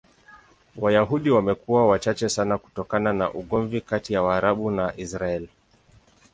Wayahudi wamekuwa wachache sana kutokana na ugomvi kati ya Waarabu na Israel.